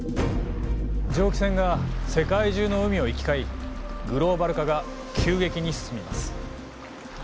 蒸気船が世界中の海を行き交いグローバル化が急激に進みます。